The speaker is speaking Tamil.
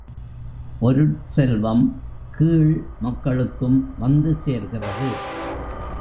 பொருட்செல்வம் கீழ் மக்களுக்கும் வந்து சேர்கிறது.